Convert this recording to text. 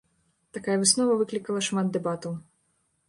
Такая выснова выклікала шмат дэбатаў.